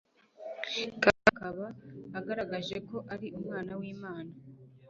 kandi akaba agaragaje ko ari Umwana w'Imana.